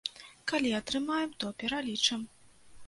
Калі атрымаем, то пералічым.